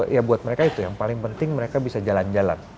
ya buat mereka itu yang paling penting mereka bisa jalan jalan